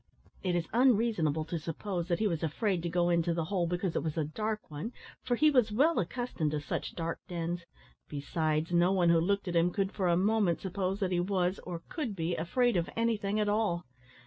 It is unreasonable to suppose that he was afraid to go into the hole because it was a dark one, for he was well accustomed to such dark dens; besides, no one who looked at him could for a moment suppose that he was, or could be, afraid of anything at all.